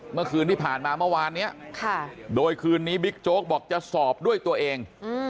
เมื่อคืนที่ผ่านมาเมื่อวานนี้โดยคืนนี้บิ๊กโจ๊กบอกจะสอบด้วยตัวเอง